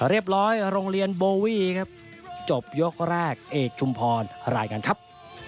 เรียบร้อยโรงเรียนโบวี่ครับจบยกแรกเอกชุมพรลายกันครับ